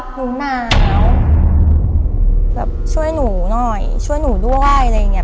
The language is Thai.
หนูหนาวแบบช่วยหนูหน่อยช่วยหนูด้วยอะไรอย่างเงี้